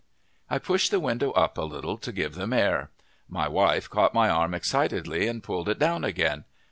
I pushed the window up a little to give them air. My wife caught my arm excitedly and pulled it down again.